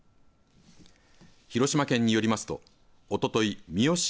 広島県によりますとおととい三次市